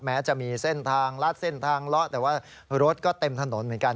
แม้จะมีเส้นทางลัดเส้นทางเลาะแต่ว่ารถก็เต็มถนนเหมือนกัน